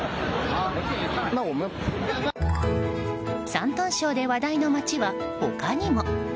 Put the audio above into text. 山東省で話題の街は、他にも。